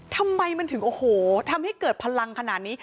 ทำไมมันถึงโอ้โหทำให้เกิดพลังขนาดนี้